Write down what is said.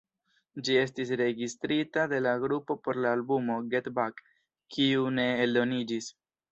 Ĝi estis registrita de la grupo por la albumo "Get Back", kiu ne eldoniĝis.